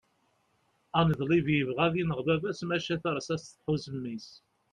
aneḍlib yebɣa ad ineɣ baba-s maca tarsast tḥuz mmi-s